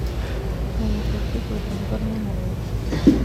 abanyepolitiki batavuga rumwe na leta